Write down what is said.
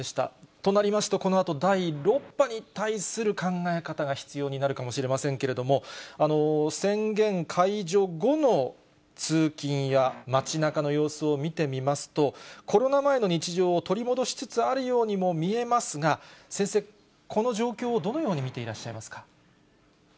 となりますと、このあと第６波に対する考え方が必要になるかもしれませんけれども、宣言解除後の通勤や街なかの様子を見てみますと、コロナ前の日常を取り戻しつつあるようにも見えますが、先生、この状況をどのように見ていらっしゃいますか？